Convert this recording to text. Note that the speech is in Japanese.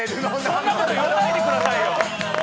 そんなこと言わないでくださいよ。